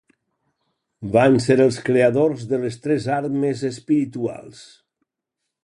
Van ser els creadors de les tres armes espirituals.